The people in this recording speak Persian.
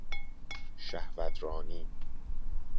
شهوترانی